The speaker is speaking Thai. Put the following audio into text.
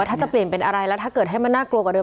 ถ้าจะเปลี่ยนเป็นอะไรแล้วถ้าเกิดให้มันน่ากลัวกว่าเดิ